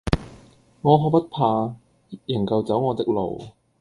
我可不怕，仍舊走我的路。